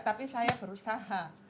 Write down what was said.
tapi saya berusaha